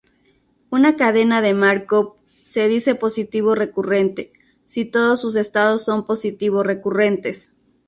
Una cadena de Márkov se dice "positivo-recurrente" si todos sus estados son positivo-recurrentes.